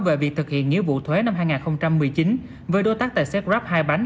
về việc thực hiện nghĩa vụ thuế năm hai nghìn một mươi chín với đối tác tài xế grab hai bánh